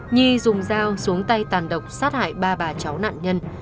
nhi dùng dao xuống tay tàn độc sát hại ba bà cháu nạn nhân